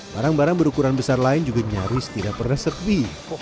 barang barang berukuran besar lain juga nyaris tidak pernah serpi